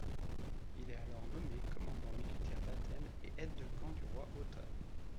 Il est alors nommé commandant militaire d'Athènes et aide-de-camp du roi Othon.